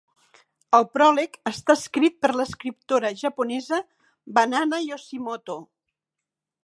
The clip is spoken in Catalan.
El pròleg està escrit per l'escriptora japonesa Banana Yoshimoto.